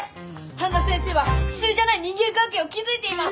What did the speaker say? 半田先生は普通じゃない人間関係を築いています！